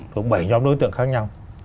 đúng bảy nhóm đối tượng khác nhau